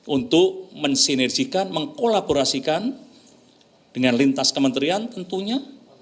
untuk mensinergikan mengkolaborasikan dengan lintas kementerian tentunya